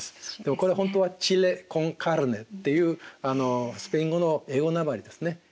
これ本当はチレ・コン・カルネっていうスペイン語の英語なまりですね。